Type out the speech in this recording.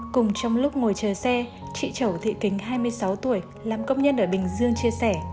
cùng trong lúc ngồi chờ xe chị chẩu thị kính hai mươi sáu tuổi làm công nhân ở bình dương chia sẻ